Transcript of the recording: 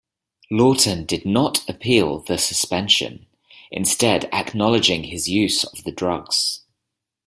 Lawton did not appeal the suspension, instead acknowledging his use of the drugs.